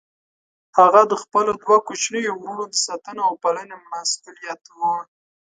هغه د خپلو دوه کوچنيو وروڼو د ساتنې او پالنې مسئوليت و.